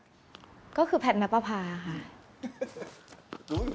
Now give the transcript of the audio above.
นางเอกนางร้ายนางหาคิดว่าอะไรคือแพทน้าปะพาที่สุดครับ